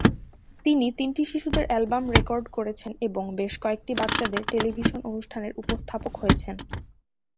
তিনি তিনটি শিশুদের অ্যালবাম রেকর্ড করেছেন এবং বেশ কয়েকটি বাচ্চাদের টেলিভিশন অনুষ্ঠান এর উপস্থাপক হয়েছেন।